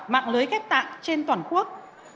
mạng lưới khép tạng trên toàn quốc